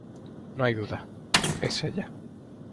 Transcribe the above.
¡ no hay duda, es ella!